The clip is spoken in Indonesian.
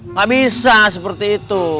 nggak bisa seperti itu